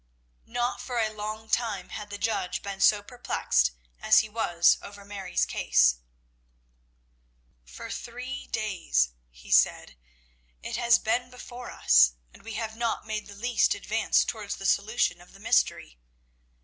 Not for a long time had the judge been so perplexed as he was over Mary's case. "For three days," he said, "it has been before us, and we have not made the least advance towards the solution of the mystery.